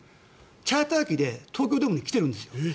チャーター機で東京ドームに来ているんですよ。